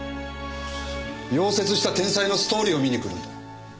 夭折した天才のストーリーを見に来るんだ。